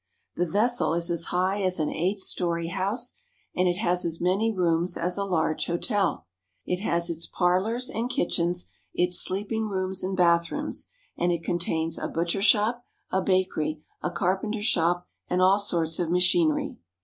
The vessel is as high as an eight story house, and it has as many rooms as a large hotel. It has its parlors and kitchens, its sleeping rooms and bathrooms ; and it contains a butcher shop, a bakery, a carpenter shop, and all sorts of machinery.